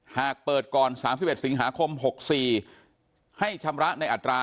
หากเปิดก่อน๓๑สิงหาคม๖๔ให้ชำระในอัตรา